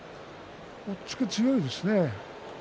押っつけ強いですね。